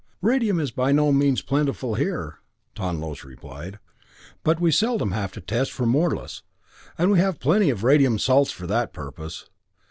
"Radium is by no means plentiful here," Tonlos replied, "but we seldom have to test for morlus, and we have plenty of radium salts for that purpose.